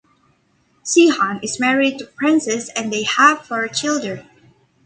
Sheehan is married to Frances, and they have four children.